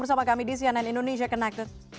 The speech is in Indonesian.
bersama kami di cnn indonesia connected